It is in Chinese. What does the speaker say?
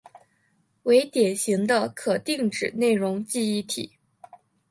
为典型的可定址内容记忆体。